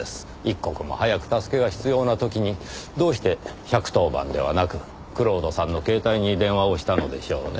一刻も早く助けが必要な時にどうして１１０番ではなく蔵人さんの携帯に電話をしたのでしょうねぇ？